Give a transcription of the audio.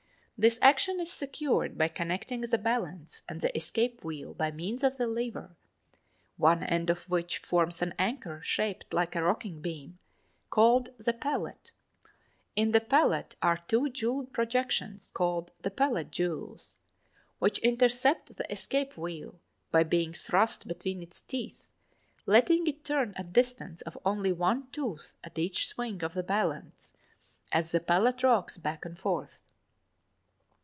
This action is secured by connecting the balance and the escape wheel by means of the lever (7), one end of which forms an anchor shaped like a rocking beam, called the pallet (6). In the pallet are two jewelled projections called the pallet jewels which intercept the escape wheel by being thrust between its teeth, letting it turn a distance of only one tooth at each swing of the balance as the pallet rocks back and forth.